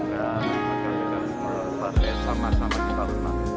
agar kita semua selesai sama sama kita menang